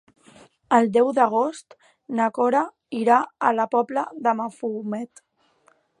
El deu d'agost na Cora irà a la Pobla de Mafumet.